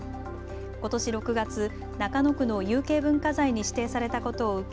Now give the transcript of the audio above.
ことし６月、中野区の有形文化財に指定されたことを受け